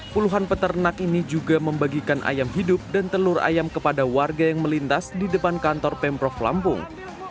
puluhan peternak ini juga membagikan ayam hidup dan telur ayam kepada warga yang melintas di depan kantor pemprov lampung